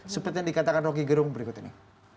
seperti yang dikatakan rocky gerung berikut ini